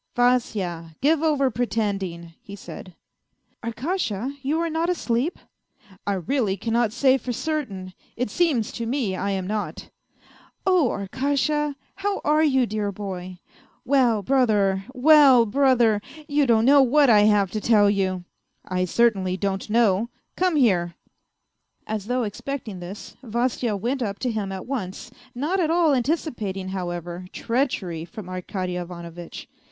" Vasya, give over pretending !" he said. " Arkasha, you are not asleep? "" I really cannot say for certain ; it seems to me I am not." " Oh, Arkasha I How are you, dear boy ? Well, brother I 156 A FAINT HEART 167 Well, brother !... You don't know what I have to tell you !"" I certainly don't know; come here." As though expecting this, Vasya went up to him at once, not at all anticipating, however, treachery from Arkady Ivano vitch.